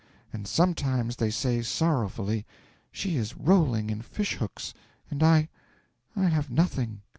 And sometimes they say sorrowfully, "She is rolling in fish hooks, and I I have nothing."